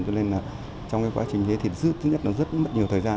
cho nên trong quá trình thế thì thứ nhất là rất mất nhiều thời gian